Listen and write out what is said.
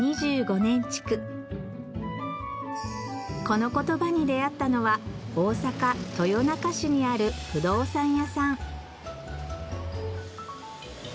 このコトバに出合ったのは大阪・豊中市にある不動産屋さん